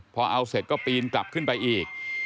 พอเอาเสร็จก็ปีนกลับขึ้นไปอีก